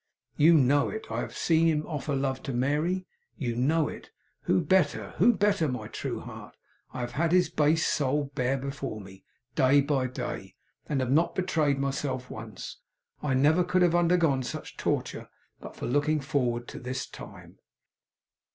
You know it. I have seen him offer love to Mary. You know it; who better who better, my true heart! I have had his base soul bare before me, day by day, and have not betrayed myself once. I never could have undergone such torture but for looking forward to this time.